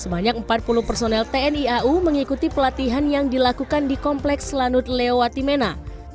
sebanyak empat puluh personel tni au mengikuti pelatihan yang dilakukan di kompleks lanut lewati mena